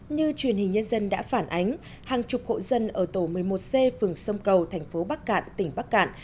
như truyền hình nhân dân đã phản ánh hàng chục hộ dân ở tổ một mươi một c phường sông cầu thành phố bắc cạn tỉnh bắc cạn